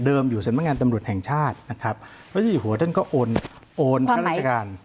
เดิมอยู่เศรษฐ์บังงานตำรวจแห่งชาตินะครับแล้วท่านก็โอนค่าราชการ